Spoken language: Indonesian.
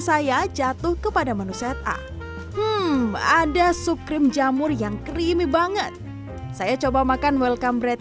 saya jatuh kepada menu sa h ada sup krim jamur yang creamy banget saya coba makan welcome bread